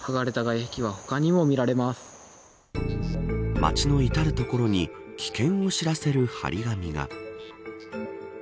町の至る所に危険を知らせる張り紙が。